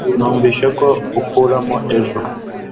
Numvise ko ukuramo ejo